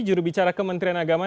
jurubicara kementerian agama